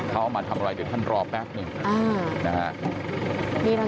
เข้ามาทำอะไรเดี๋ยวท่านรอแป๊บนึงนะครับ